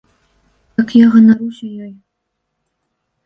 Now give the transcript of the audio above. Так, я ганаруся ёй.